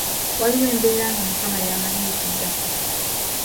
Waliwo embeera nga mukama y’amanyi ekiddako.